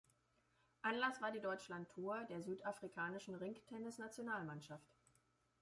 Anlass war die Deutschlandtour der südafrikanischen Ringtennis-Nationalmannschaft.